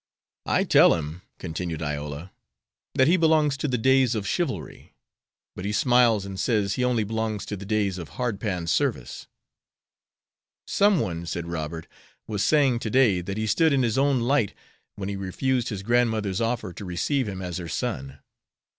"I tell him," continued Iola, "that he belongs to the days of chivalry. But he smiles and says, 'he only belongs to the days of hard pan service.'" "Some one," said Robert, "was saying to day that he stood in his own light when he refused his grandmother's offer to receive him as her son."